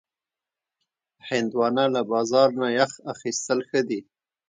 هندوانه له بازار نه یخ اخیستل ښه دي.